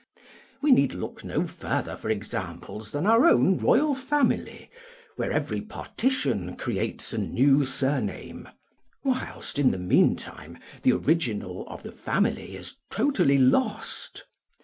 We need look no further for examples than our own royal family, where every partition creates a new surname, whilst, in the meantime, the original of the family is totally lost.